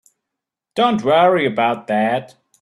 Don't worry about that.